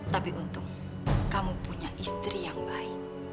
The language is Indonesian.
tapi untung kamu punya istri yang baik